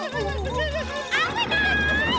あぶない！